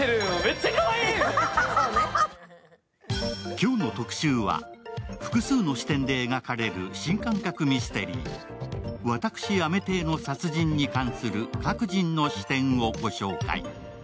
今日の特集は複数の視点で描かれる新感覚ミステリー、「私雨邸の殺人に関する各人の視点」をご紹介。